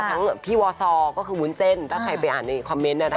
ทั้งพี่วอสอร์ก็คือวุ้นเซ่นถ้าใครไปอ่านในคอมเมนต์เนี่ยนะคะ